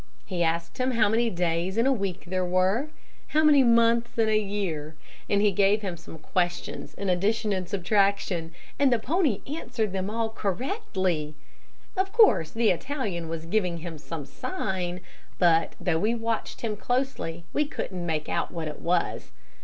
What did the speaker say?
He asked him how many days in a week there were; how many months in a year; and he gave him some questions in addition and subtraction, and the pony answered them all correctly. Of course, the Italian was giving him some sign; but, though we watched him closely, we couldn't make out what it was.